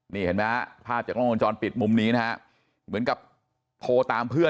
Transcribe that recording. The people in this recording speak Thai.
นี่เห็นไหมฮะภาพจากล้องวงจรปิดมุมนี้นะฮะเหมือนกับโทรตามเพื่อน